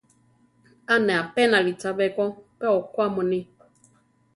A ne apénali chabé ko pe okwá muní.